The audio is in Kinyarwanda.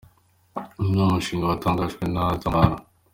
Uyu ni umushinga watangijwe na Arthur Murara.